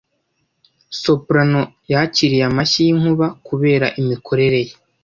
Soprano yakiriye amashyi y'inkuba kubera imikorere ye.